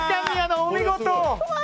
お見事！